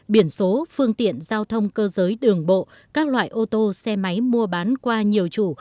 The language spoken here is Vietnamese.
biển số phương tiện giao thông cơ giới đường bộ các loại ô tô xe máy mua bán qua nhiều chủ